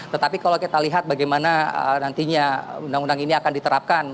tetapi kalau kita lihat bagaimana nantinya undang undang ini akan diterapkan